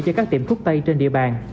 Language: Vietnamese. cho các tiệm thuốc tây trên địa bàn